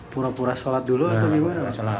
pura pura sholat dulu atau gimana